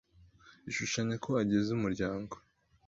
ishushanya ko agize umuryango